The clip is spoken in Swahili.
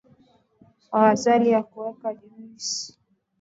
Glasi ya kuwekea juisi